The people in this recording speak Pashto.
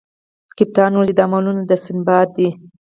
کپتان وویل چې دا مالونه د سنباد دي.